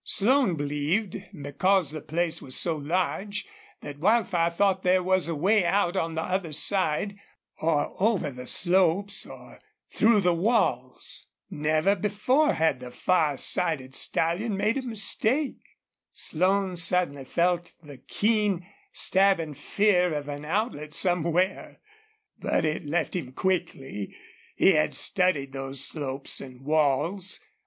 Slone believed, because the place was so large, that Wildfire thought there was a way out on the other side or over the slopes or through the walls. Never before had the far sighted stallion made a mistake. Slone suddenly felt the keen, stabbing fear of an outlet somewhere. But it left him quickly. He had studied those slopes and walls.